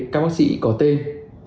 các bác sĩ có tên